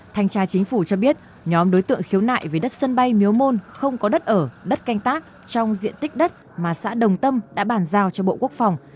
thanh tra chính phủ cho biết nhóm đối tượng khiếu nại về đất sân bay miếu môn không có đất ở đất canh tác trong diện tích đất mà xã đồng tâm đã bàn giao cho bộ quốc phòng